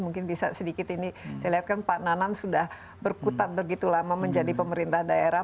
mungkin bisa sedikit ini saya lihat kan pak nanan sudah berkutat begitu lama menjadi pemerintah daerah